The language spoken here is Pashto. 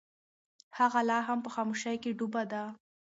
هغه لا هم په خاموشۍ کې ډوبه ده.